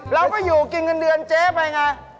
เราก็อยู่กินเงินเดือนเจ๊ไปไง